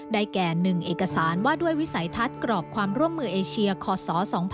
แก่๑เอกสารว่าด้วยวิสัยทัศน์กรอบความร่วมมือเอเชียคศ๒๕๖๒